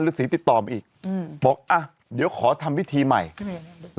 ฤษีติดต่อมาอีกอืมบอกอ่ะเดี๋ยวขอทำพิธีใหม่ทำไม